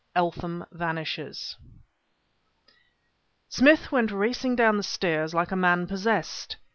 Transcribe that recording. ELTHAM VANISHES Smith went racing down the stairs like a man possessed.